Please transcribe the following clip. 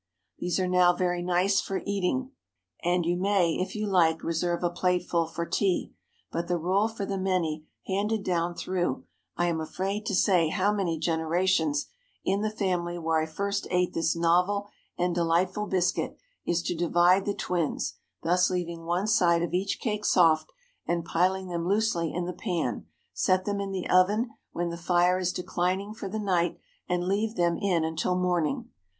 These are now very nice for eating, and you may, if you like, reserve a plateful for tea; but the rule for the many, handed down through, I am afraid to say how many generations, in the family where I first ate this novel and delightful biscuit, is to divide the twins, thus leaving one side of each cake soft, and piling them loosely in the pan, set them in the oven when the fire is declining for the night, and leave them in until morning.